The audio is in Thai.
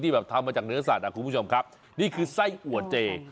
แบบทำมาจากเนื้อสัตว์อ่ะคุณผู้ชมครับนี่คือไส้อัวเจ